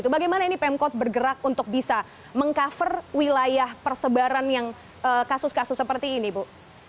bagaimana ini pemkot bergerak untuk bisa meng cover wilayah persebaran yang kasus kasus seperti ini bu